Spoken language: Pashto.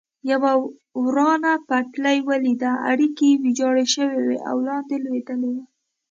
یوه ورانه پټلۍ ولیده، اړیکي یې ویجاړ شوي او لاندې لوېدلي و.